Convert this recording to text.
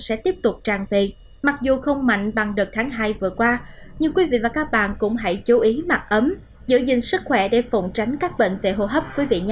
sẽ tiếp tục trang tì mặc dù không mạnh bằng đợt tháng hai vừa qua nhưng quý vị và các bạn cũng hãy chú ý mặt ấm giữ gìn sức khỏe để phụng tránh các bệnh về hô hấp